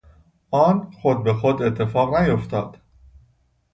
آن خود به خود اتفاق نیافتاد.